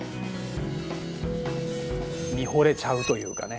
見ほれちゃうというかね